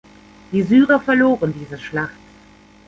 Die Syrer verloren diese Schlacht.